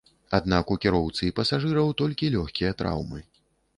Аднак у кіроўцы і пасажыраў толькі лёгкія траўмы.